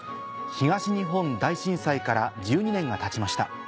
東日本大震災から１２年がたちました。